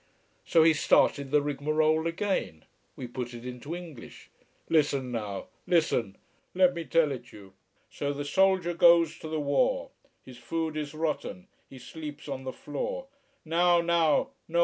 So he started the rigmarole again. We put it into English. "Listen now. Listen! Let me tell it you So the soldier goes to the war! His food is rotten, he sleeps on the floor "Now! Now!